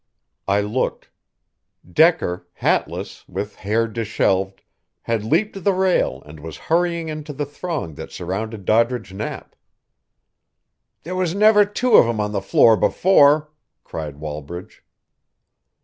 I looked. Decker, hatless, with hair disheveled, had leaped the rail and was hurrying into the throng that surrounded Doddridge Knapp. "There was never two of 'em on the floor before," cried Wallbridge.